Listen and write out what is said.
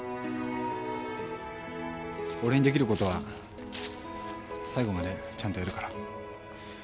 俺にできることは最後までちゃんとやるから。